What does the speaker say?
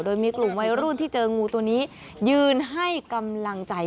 โดยมีกลุ่มวัยรุ่นที่เจองูตัวนี้ยืนให้กำลังใจ